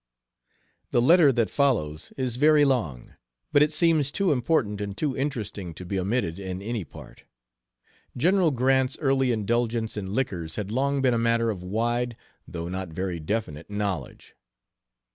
The letter that follows is very long, but it seems too important and too interesting to be omitted in any part. General Grant's early indulgence in liquors had long been a matter of wide, though not very definite, knowledge.